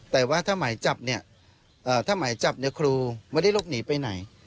แต่ว่าถ้าหมายจับเนี่ยถ้าหมายจับเนี่ยครูไม่ได้หลบหนีไปไหน